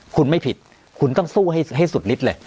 คุณไม่ผิดคุณต้องสู้ให้สุดฤทธิเลย